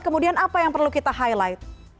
kemudian apa yang perlu kita highlight